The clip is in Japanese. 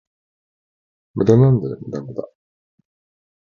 無駄なんだよ、無駄無駄